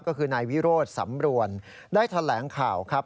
ก็คือนายวิโรธสำรวนได้แถลงข่าวครับ